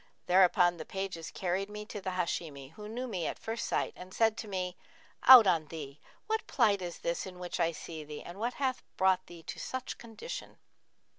Thereupon the pages carried me to the Hashimi, who knew me at first sight and said to me, 'Out on thee! What plight is this in which I see thee and what hath brought thee to such condition?'